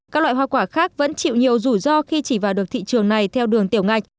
các loại hoa quả khác vẫn chịu nhiều rủi ro khi chỉ vào được thị trường này theo đường tiểu ngạch